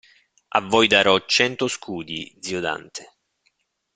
A voi darò cento scudi, zio Dante.